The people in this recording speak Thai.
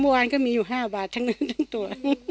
เมื่อวานก็มีอยู่๕บาททั้งนั้นทั้งตัว